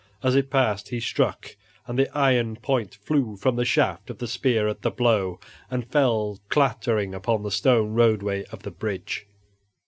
As it passed he struck, and the iron point flew from the shaft of the spear at the blow, and fell clattering upon the stone roadway of the bridge.